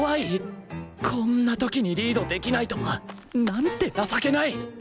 こんな時にリードできないとはなんて情けない！